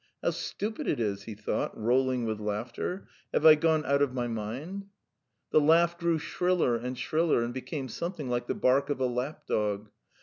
"How stupid it is!" he thought, rolling with laughter. "Have I gone out of my mind?" The laugh grew shriller and shriller, and became something like the bark of a lap dog.